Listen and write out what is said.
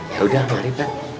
yaudah mari pak